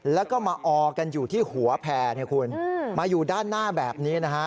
แล้วก็มาออกันอยู่ที่หัวแผ่มาอยู่ด้านหน้าแบบนี้